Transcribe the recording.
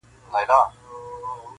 چي تلو تلو کي معنا ستا د کتو اوړي،